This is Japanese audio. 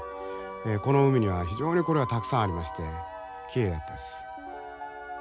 この海には非常にこれはたくさんありましてきれいだったです。